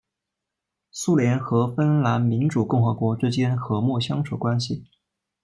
苏联和芬兰民主共和国之间和睦相处关系。